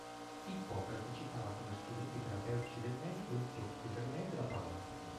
Ippocrate citava come strumenti terapeutici del medico: il tocco, il rimedio, la parola.